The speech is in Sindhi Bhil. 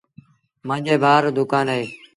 مآݩجي ڀآ رو دُڪآن اهي